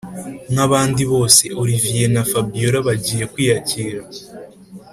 nkabandi bose olivier na fabiora bagiye kwiyakira